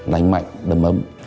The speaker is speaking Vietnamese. lành mạnh đầm ấm